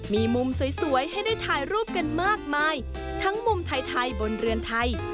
มีมุมสวยให้ได้ถ่ายรูปกันมากมายทั้งมุมไทยบนเรือนไทย